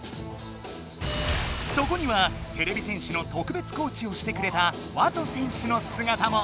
そこにはてれび戦士のとくべつコーチをしてくれたＷＡＴＯ選手のすがたも！